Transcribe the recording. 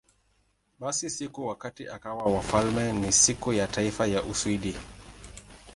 Basi, siku wakati akawa wafalme ni Siku ya Taifa ya Uswidi.